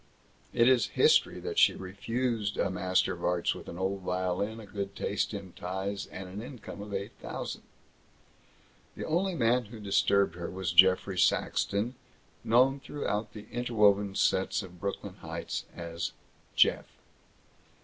It is history that she refused a master of arts with an old violin, a good taste in ties, and an income of eight thousand. The only man who disturbed her was Geoffrey Saxton, known throughout the interwoven sets of Brooklyn Heights as "Jeff."